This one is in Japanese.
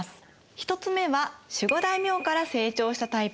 １つ目は守護大名から成長したタイプ。